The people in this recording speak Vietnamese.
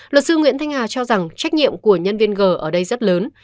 luật sư nguyễn thanh hà cho rằng trách nhiệm của nhân viên g ở đây rất lớn